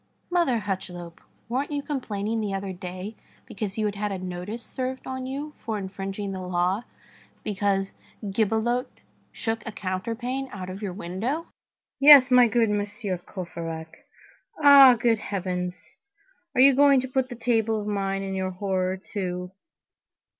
"Mother Hucheloup, weren't you complaining the other day because you had had a notice served on you for infringing the law, because Gibelotte shook a counterpane out of your window?" "Yes, my good Monsieur Courfeyrac. Ah! good Heavens, are you going to put that table of mine in your horror, too?